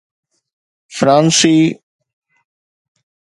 فرانسي